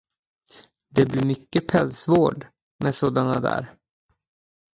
Det blir mycket pälsvård med sådana där.